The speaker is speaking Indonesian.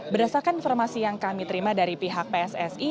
berdasarkan informasi yang kami terima dari pihak pssi